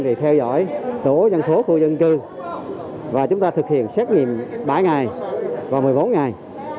và tổ dân phố khu dân cư và chúng ta thực hiện xét nghiệm bảy ngày và một mươi bốn ngày